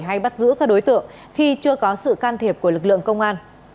hay bắt giữ các đối tượng khi chưa có sự can thiệp của lực lượng công an